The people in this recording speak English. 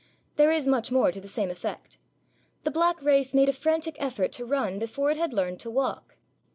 There is much more to the same effect. The black race made a frantic effort to run before it had learned to walk.